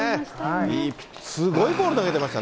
いい、すごいボール投げてました